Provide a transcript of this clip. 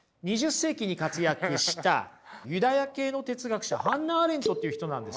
２０世紀に活躍したユダヤ系の哲学者ハンナ・アーレントっていう人なんですよ。